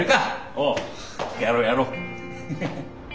おうやろやろ！